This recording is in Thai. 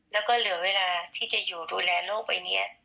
แล้วก็เหลือเวลาที่จะอยู่ดูแลโลกไว้เนี่ยอีกไม่นาน